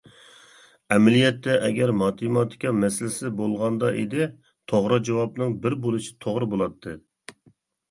ئەمەلىيەتتە، ئەگەر ماتېماتىكا مەسىلىسى بولغاندا ئىدى، توغرا جاۋابنىڭ بىر بولۇشى توغرا بولاتتى.